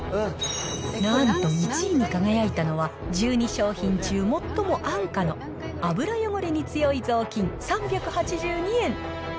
なんと１位に輝いたのは、１２商品中、最も安価の油汚れに強いぞうきん３８２円。